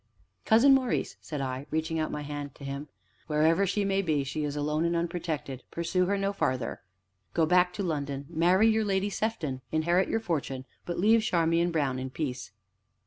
"Cousin Maurice," said I, reaching out my hand to him, "wherever she may be, she is alone and unprotected pursue her no farther. Go back to London, marry your Lady Sefton, inherit your fortune, but leave Charmian Brown in peace."